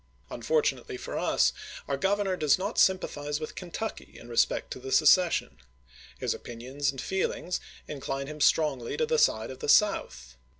Unfortunately for us, our Governor does not sympathize with Kentucky in respect to the secession. His opinions and feelings incline him strongly to the side of the South.